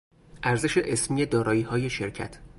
ارزش اسمی داراییهای شرکت